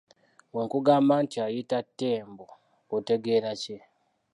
Bwe nkugamba nti ayita Ttembo otegeera ki?